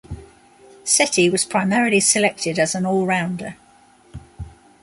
Sethi was primarily selected as an all rounder.